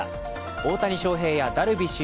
大谷翔平やダルビッシュ